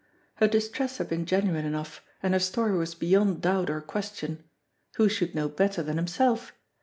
Her distress had been genuine enough, and her story was beyond doubt or question. Who should know better than himself?